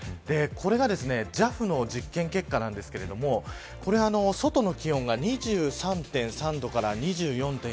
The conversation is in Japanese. これがＪＡＦの実験結果なんですが外の気温が２３．３度から２４．４度。